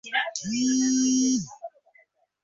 দ্বিতীয়বার প্রশ্ন করিতেও পারিল না।